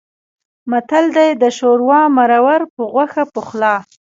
متل دی: د شوروا مرور په غوښه پخلا.